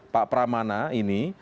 pak pramana ini